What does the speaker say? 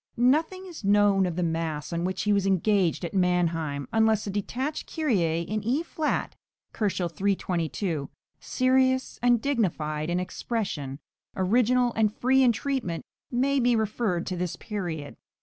Nothing is known of the mass on which he was engaged at Mannheim, unless a detached Kyrie in E flat (322 K.), serious and dignified in expression, original and free in treatment, may be referred to this period.